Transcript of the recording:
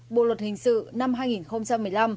bộ luật hình sự năm hai nghìn một mươi năm